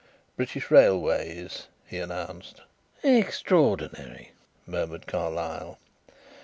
British Railways,'" he announced. "Extraordinary," murmured Carlyle.